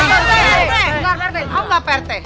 apa pak rt